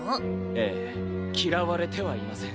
ええ嫌われてはいません。